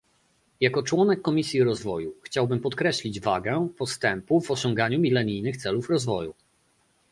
Jako członek Komisji Rozwoju chciałbym podkreślić wagę postępu w osiąganiu milenijnych celów rozwoju